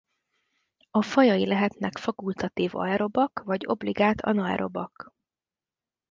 A fajai lehetnek fakultatív aerobak vagy obligát anaerobak.